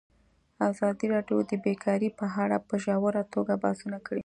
ازادي راډیو د بیکاري په اړه په ژوره توګه بحثونه کړي.